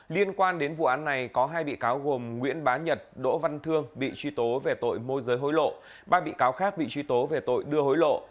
liên quan đến vụ án này có hai bị cáo gồm nguyễn bá nhật đỗ văn thương bị truy tố về tội môi giới hối lộ ba bị cáo khác bị truy tố về tội đưa hối lộ